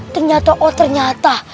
ternyata oh ternyata